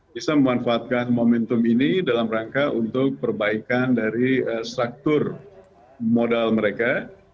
bisa memanfaatkan momentum ini dalam rangka untuk perbaikan dari struktur modal mereka